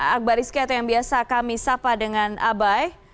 akbar rizky atau yang biasa kami sapa dengan abai